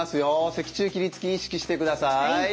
脊柱起立筋意識してください。